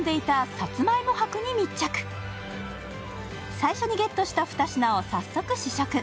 最初にゲットした２品を早速試食。